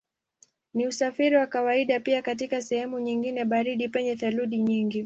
Ni usafiri wa kawaida pia katika sehemu nyingine baridi penye theluji nyingi.